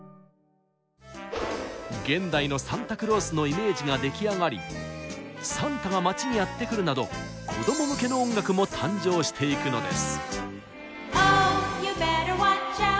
現代のサンタクロースのイメージが出来上がり「サンタが街にやってくる」など子ども向けの音楽も誕生していくのです。